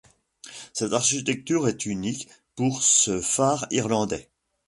Cette architecture est unique pour ce phare irlandais.